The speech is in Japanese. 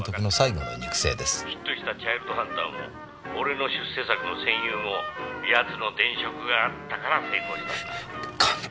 「ヒットした『チャイルド・ハンター』も俺の出世作の『戦友』も奴の電飾があったから成功したんだ」監督！